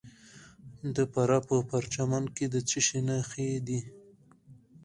د فراه په پرچمن کې د څه شي نښې دي؟